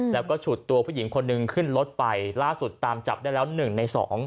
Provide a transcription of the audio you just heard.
แล้วก็ฉุดตัวผู้หญิงคนหนึ่งขึ้นรถไปล่าสุดตามจับได้แล้ว๑ใน๒